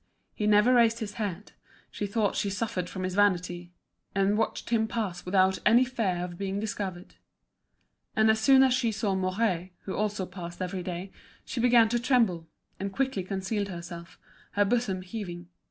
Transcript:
He never raised his head, she thought she suffered from his vanity, and watched him pass without any fear of being discovered. And as soon as she saw Mouret, who also passed every day, she began to tremble, and quickly concealed herself, her bosom heaving.